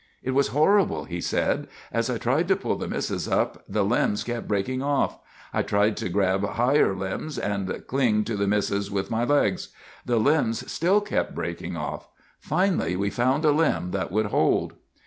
"It was horrible," he says. "As I tried to pull the missus up the limbs kept breaking off. I tried to grab higher limbs and cling to the missus with my legs. The limbs still kept breaking off. Finally we found a limb that would hold.